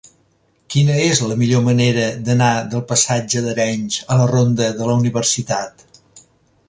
Quina és la millor manera d'anar del passatge d'Arenys a la ronda de la Universitat?